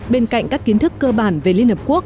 bên cạnh các kiến thức cơ bản về liên hợp quốc